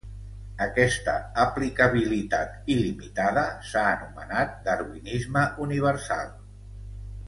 Aquesta aplicabilitat il·limitada s'ha anomenat darwinisme universal.